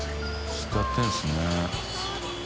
困辰やってるんですね。